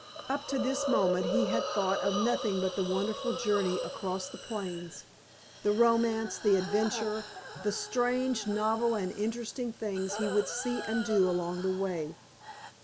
Up to this moment he had thought of nothing but the wonderful journey across the plains, the romance, the adventure, the strange, novel, and interesting things he would see and do along the way.